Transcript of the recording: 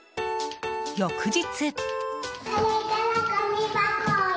翌日。